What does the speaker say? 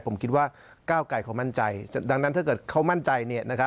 ผมคิดว่าก้าวไก่เขามั่นใจดังนั้นถ้าเกิดเขามั่นใจ